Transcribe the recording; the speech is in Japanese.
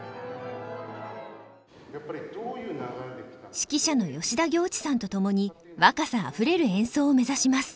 指揮者の吉田行地さんと共に若さあふれる演奏を目指します。